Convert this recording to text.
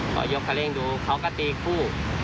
พอยกคันเร่งดูเขาก็ตีคู่